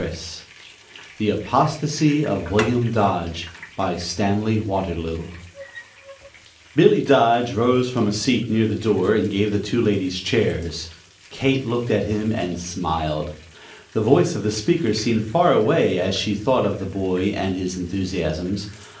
] THE APOSTASY OF WILLIAM DODGE BY STANLEY WATERLOO Billy Dodge rose from a seat near the door, and gave the two ladies chairs. Kate looked at him and smiled. The voice of the speaker seemed far away as she thought of the boy and his enthusiasms.